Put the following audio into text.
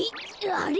あれ？